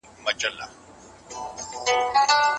دقیق معلومات تر اټکل ښه دي.